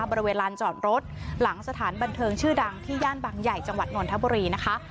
บริเวณลานจอดรถหลังสถานบันเทิงชื่อดังที่ย่านบางใหญ่จังหวัดนนทบุรีนะคะ